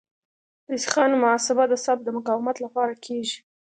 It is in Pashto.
د سیخانو محاسبه د سلب د مقاومت لپاره کیږي